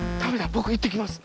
ぼく行ってきます。